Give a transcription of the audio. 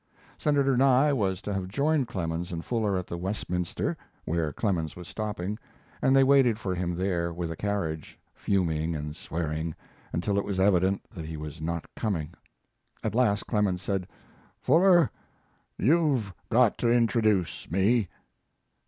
Senator Nye was to have joined Clemens and Fuller at the Westminster, where Clemens was stopping, and they waited for him there with a carriage, fuming and swearing, until it was evident that he was not coming. At last Clemens said: "Fuller, you've got to introduce me."